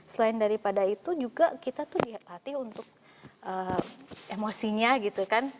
selain daripada itu juga kita tuh dilatih untuk emosinya gitu kan